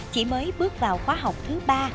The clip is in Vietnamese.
chỉ mới bước vào khóa học thứ ba